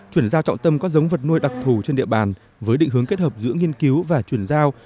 chuyển giao trọng tâm các giống vật nuôi đặc thù trên địa bàn với định hướng kết hợp giữa nghiên cứu và chuyển giao